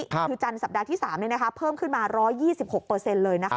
คือจันทร์สัปดาห์ที่๓เนี่ยนะคะเพิ่มขึ้นมา๑๒๖เปอร์เซ็นต์เลยนะคะ